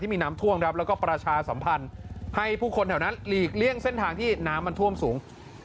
มีน้ำท่วมครับแล้วก็ประชาสัมพันธ์ให้ผู้คนแถวนั้นหลีกเลี่ยงเส้นทางที่น้ำมันท่วมสูง